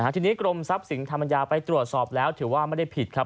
ทีนี้กรมทรัพย์สินธรรมยาไปตรวจสอบแล้วถือว่าไม่ได้ผิดครับ